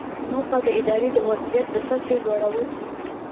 موخه د ادارې د مؤثریت د سطحې لوړول دي.